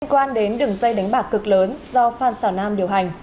trên quan đến đường xây đánh bạc cực lớn do phan xảo nam điều hành